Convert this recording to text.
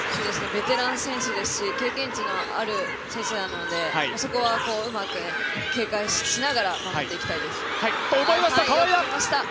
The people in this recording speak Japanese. ベテラン選手ですし、経験値のある選手なのでそこはうまく警戒しながらマークしていきたいです。